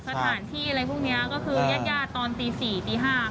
จัดสถานที่อะไรพวกนี้ก็คือญาติย่าตอนตี๔ตี๕ค่ะ